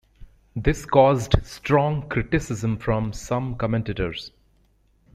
This caused strong criticism from some commentators.